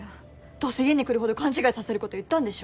どうせ家に来るほど勘違いさせること言ったんでしょ。